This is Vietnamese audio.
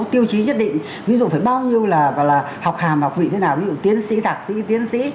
tiêu chí nhất định ví dụ phải bao nhiêu là học hàm học vị thế nào ví dụ tiến sĩ thạc sĩ tiến sĩ